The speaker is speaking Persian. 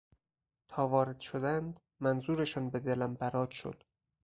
تا وارد شدند منظورشان به دلم برات شد.